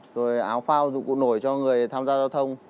rồi áo phao dụng cụ nổi cho người tham gia giao thông